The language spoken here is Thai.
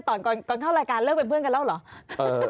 ก่อนเข้ารายการเลิกเป็นเพื่อนกันแล้วเหรอ